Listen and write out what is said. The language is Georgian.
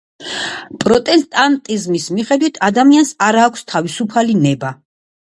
პროტესტანტიზმის მიხედვით ადამიანს არ აქვს თავისუფალი ნება.